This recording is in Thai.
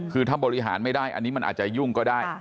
คือถ้าบริหารไม่ได้อันนี้มันอาจจะยุ่งก็ได้